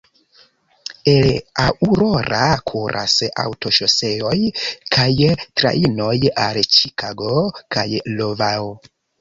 El Aurora kuras aŭtoŝoseoj kaj trajnoj al Ĉikago kaj Iovao.